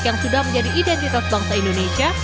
yang sudah menjadi identitas bangsa indonesia